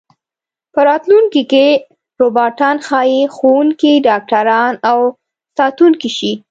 په راتلونکي کې روباټان ښايي ښوونکي، ډاکټران او ساتونکي شي.